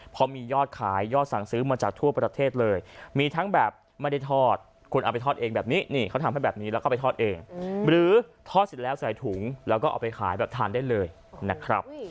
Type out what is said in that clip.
พอมียอดขายยอดสั่งซื้อมาจากทั่วประเทศเลยมีทั้งแบบไม่ได้ทอดคุณเอาไปทอดเองแบบนี้นี่เขาทำให้แบบนี้แล้วก็ไปทอดเองหรือทอดเสร็จแล้วใส่ถุงแล้วก็เอาไปขายแบบทานได้เลยนะครับ